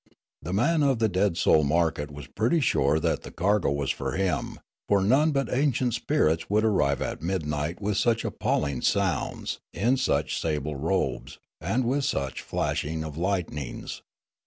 The man of the dead soul market was pretty sure that the cargo was for him ; for none but ancient spirits would arrive at midnight with such appalling sounds, in such sable robes, and with such flash of lightnings.